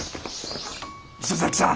磯崎さん